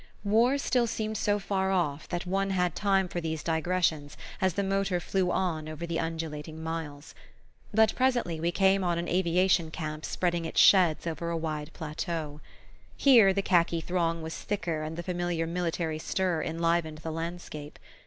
War still seemed so far off that one had time for these digressions as the motor flew on over the undulating miles. But presently we came on an aviation camp spreading its sheds over a wide plateau. Here the khaki throng was thicker and the familiar military stir enlivened the landscape.